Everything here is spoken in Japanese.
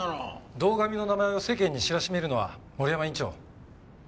堂上の名前を世間に知らしめるのは森山院長